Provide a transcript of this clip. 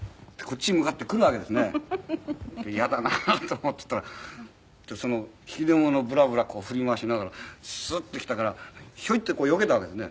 やだなと思っていたらその引き出物をブラブラ振り回しながらスッと来たからヒョイってよけたわけですね。